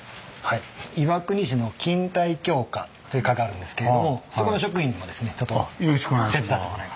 岩国市の錦帯橋課という課があるんですけれどもそこの職員にもちょっと手伝ってもらいます。